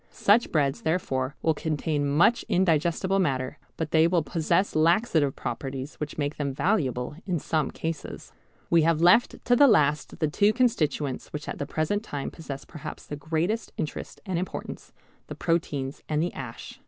Such breads therefore will contain much indigestible matter, but they will possess laxative properties which make them valuable in some cases. We have left to the last the two constituents which at the present time possess perhaps the greatest interest and importance, the proteins and the ash.